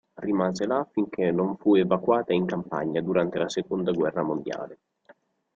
Rimase là finché non fu evacuata in campagna durante la Seconda guerra mondiale.